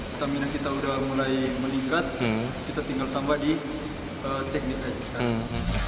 stamina kita sudah mulai meningkat kita tinggal tambah di teknik aja sekarang